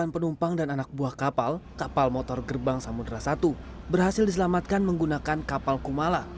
satu ratus empat puluh delapan penumpang dan anak buah kapal kapal motor gerbang samudera satu berhasil diselamatkan menggunakan kapal kumala